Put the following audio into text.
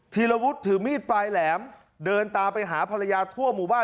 ธีรวุฒิถือมีดปลายแหลมเดินตามไปหาภรรยาทั่วหมู่บ้าน